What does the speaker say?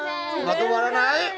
まとまらない？